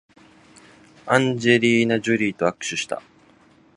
アンジェリーナジョリーと握手した